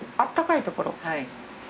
はい。